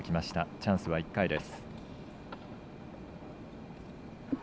チャンスは１回です。